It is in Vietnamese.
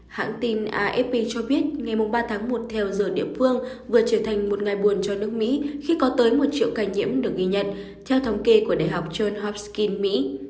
hãng tin afp cho biết ngày ba tháng một theo giờ địa phương vừa trở thành một ngày buồn cho nước mỹ khi có tới một triệu ca nhiễm được ghi nhận theo thống kê của đại học john hopskin mỹ